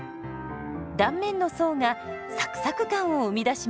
断面の層がサクサク感を生み出します。